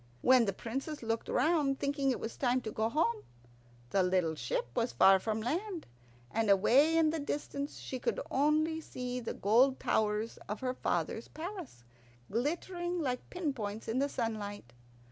When the Princess looked round, thinking it was time to go home, the little ship was far from land, and away in the distance she could only see the gold towers of her father's palace, glittering like pin points in the sunlight.